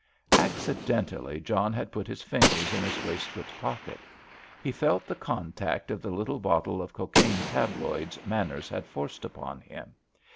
Accidentally John had put his fingers in his waistcoat pocket. He felt the contact of the little bottle of cocaine tabloids Manners had forced upon him.